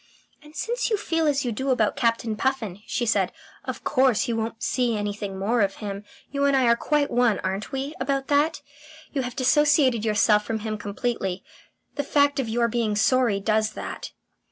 "And since you feel as you do about Captain Puffin," she said, "of course, you won't see anything more of him. You and I are quite one, aren't we, about that? You have dissociated yourself from him completely. The fact of your being sorry does that."